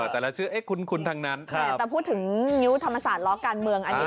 แต่ละชื่อคุ้นทั้งนั้นแต่พูดถึงงิ้วธรรมศาสตล้อการเมืองอันนี้